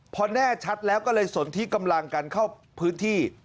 พอแน่ชัดแล้วก็เลยสนที่กำลังกันเข้าพื้นที่